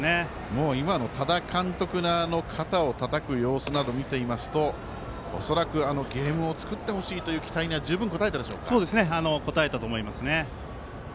もう今の多田監督の肩をたたく様子など見ますと恐らく、ゲームを作ってほしいという期待には応えたと思いますね。